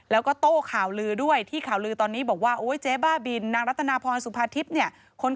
แล้วก็โต้ข่าวลือด้วยที่ข่าวลือตอนนี้บอกว่าโอ่มายจริง